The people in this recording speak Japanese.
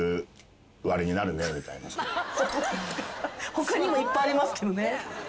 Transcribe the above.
他にもいっぱいありますけどね。